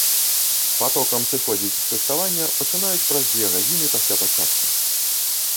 Патокам сыходзіць з тэставання пачынаюць праз дзве гадзіны пасля пачатку.